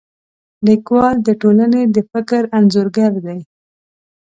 لیکوال د ټولنې د فکر انځورګر دی.